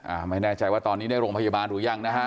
อ่าไม่แน่ใจว่าตอนนี้ได้โรงพยาบาลหรือยังนะฮะ